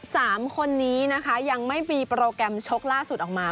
สามคนนี้นะคะยังไม่มีโปรแกรมชกล่าสุดออกมา